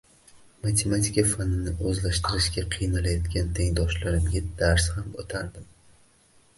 Matematika fanini o`zlashtirishga qiynalayotgan tengdoshlarimga dars ham o`tardim